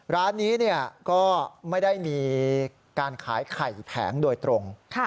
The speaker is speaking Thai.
ร้านนี้ก็ไม่ได้มีการขายไข่แผงโดยตรง